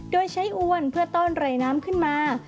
โดยใช้อวนเพื่อต้อนไรน้ำขึ้นมา